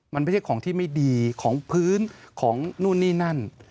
มันไม่ใช่ของที่ไม่ดีของพื้นของนู่นนี่นั่น